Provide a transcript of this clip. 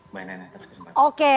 mbak nana atas kesempatan ya oke